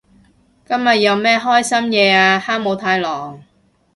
今日有咩開心嘢啊哈姆太郎？